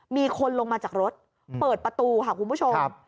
มีคนลงมาจากรถเปิดประตูค่ะคุณผู้ชม